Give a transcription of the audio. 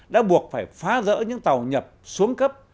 đã buộc phải phá rỡ những tàu nhập xuống cấp